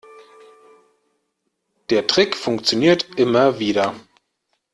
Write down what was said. Der Trick funktioniert immer wieder.